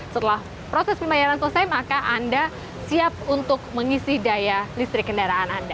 setelah proses pembayaran selesai maka anda siap untuk mengisi daya listrik kendaraan anda